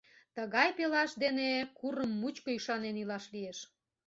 Тыгай пелаш дене курым мучко ӱшанен илаш лиеш.